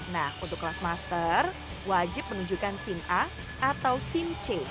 nah untuk kelas master wajib menunjukkan sim a atau sim c